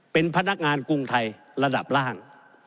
เป็นพนักงานกรุงไทยระดับล่าง